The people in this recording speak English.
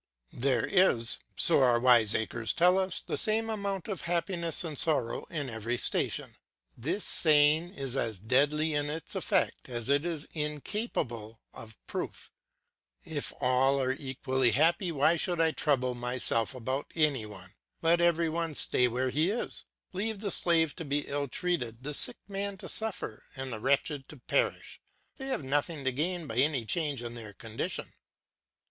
There is, so our wiseacres tell us, the same amount of happiness and sorrow in every station. This saying is as deadly in its effects as it is incapable of proof; if all are equally happy why should I trouble myself about any one? Let every one stay where he is; leave the slave to be ill treated, the sick man to suffer, and the wretched to perish; they have nothing to gain by any change in their condition.